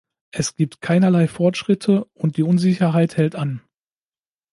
Es gibt keinerlei Fortschritte, und die Unsicherheit hält an.